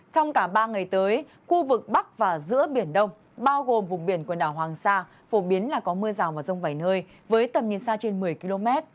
trong cả ba ngày tới khu vực bắc và giữa biển đông bao gồm vùng biển quần đảo hoàng sa phổ biến là có mưa rào và rông vảy nơi với tầm nhìn xa trên một mươi km